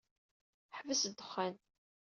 Ḥbes ddexxan.